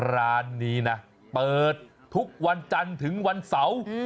ร้านนี้นะเปิดทุกวันจันทร์ถึงวันเสาร์